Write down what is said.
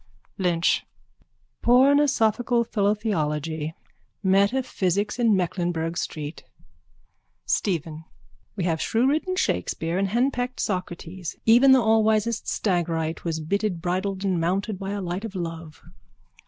LYNCH: Pornosophical philotheology. Metaphysics in Mecklenburgh street! STEPHEN: We have shrewridden Shakespeare and henpecked Socrates. Even the allwisest Stagyrite was bitted, bridled and mounted by a light of love.